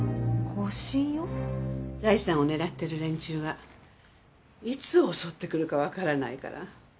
財産を狙ってる連中がいつ襲ってくるかわからないから。